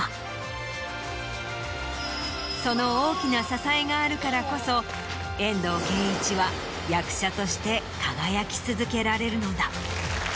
その大きな支えがあるからこそ遠藤憲一は役者として輝き続けられるのだ。